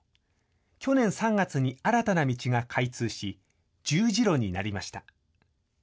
去年３月に新たな道が開通し、十字路になりました。